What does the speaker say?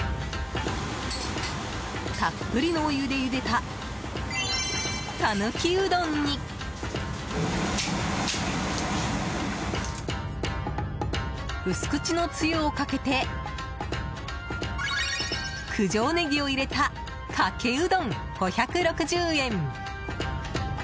たっぷりのお湯でゆでた讃岐うどんに薄口のつゆをかけて九条ネギを入れたかけうどん、５６０円。